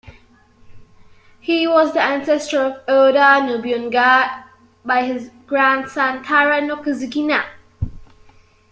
He was the ancestor of Oda Nobunaga by his grandson, Taira no Chikazane.